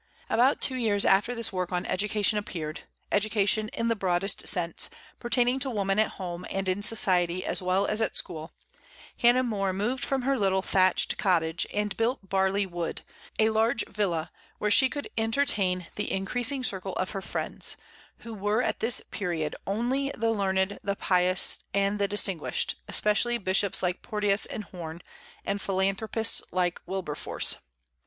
About two years after this work on education appeared, education in the broadest sense, pertaining to woman at home and in society as well as at school, Hannah More moved from her little thatched cottage, and built Barley Wood, a large villa, where she could entertain the increasing circle of her friends, who were at this period only the learned, the pious, and the distinguished, especially bishops like Porteus and Horne, and philanthropists like Wilberforce.